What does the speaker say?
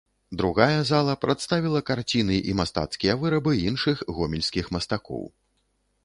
Другая зала прадставіла карціны і мастацкія вырабы іншых гомельскіх мастакоў.